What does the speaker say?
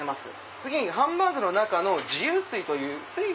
次にハンバーグの中の自由水という水分。